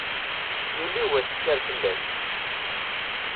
Yuli wass, kker fell-ak!